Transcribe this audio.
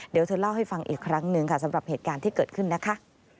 เดี๋ยวเธอเล่าให้ฟังอีกครั้งหนึ่งค่ะสำหรับเหตุการณ์ที่เกิดขึ้นนะคะ